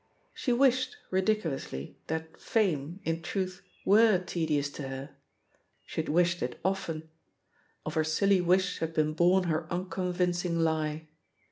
She wished, ridiculously, that "fame,'* in truth, were tedious to her; she had wished it often — of her silly wish had been bom her unconvincing lie.